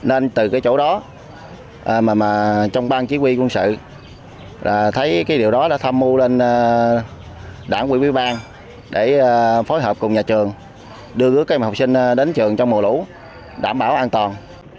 nên từ cái chỗ đó mà trong bang chí quy quân sự là thấy cái điều đó đã tham mưu lên đảng quỹ quý bang để phối hợp cùng nhà trường đưa các em học sinh đến trường trong mùa lũ đảm bảo an toàn